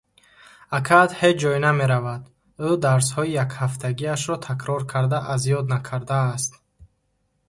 Акаат ҳеч ҷой намеравад, ӯ дарсҳои якҳафтагиашро такрор карда аз ёд накардааст.